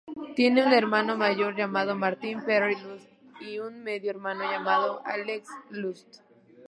Tiene un hermano mayor llamado Martin Perry Lutz, y un medio-hermano llamado Alexey Lutz.